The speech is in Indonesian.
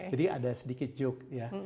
jadi ada sedikit joke ya